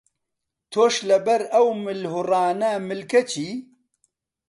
تۆش لەبەر ئەو ملهوڕانە ملکەچی؟